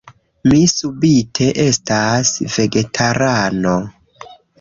Mi subite estas vegetarano...